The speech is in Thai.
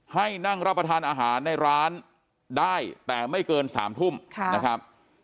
ให้นั่งรับประทานอาหารในร้านได้แต่ไม่เกิน๓ทุ่มนะครับ